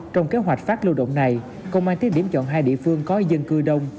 trong kế hoạch phát lưu động này công an tiếp điểm chọn hai địa phương có dân cư đông